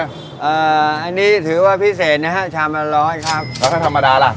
อันนี้ถือว่าพิเศษนะฮะชามละร้อยครับแล้วก็ธรรมดาล่ะ